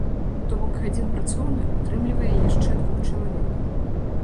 То бок, адзін працоўны ўтрымлівае яшчэ двух чалавек.